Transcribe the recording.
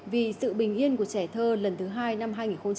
vì sự bình yên của trẻ thơ lần thứ hai năm hai nghìn một mươi chín